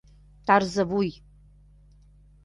Тарзывуй.